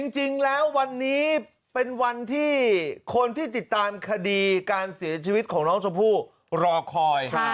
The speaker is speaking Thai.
จริงแล้ววันนี้เป็นวันที่คนที่ติดตามคดีการเสียชีวิตของน้องชมพู่รอคอย